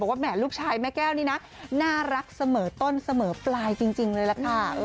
แหมลูกชายแม่แก้วนี่นะน่ารักเสมอต้นเสมอปลายจริงเลยล่ะค่ะ